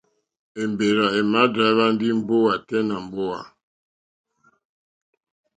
Èmbèrzà èmà dráíhwá ndí mbówà tɛ́ nà mbówà.